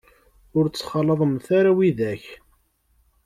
Ur ttxalaḍemt ara widak.